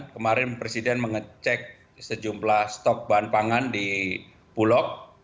kemarin presiden mengecek sejumlah stok bahan pangan di bulog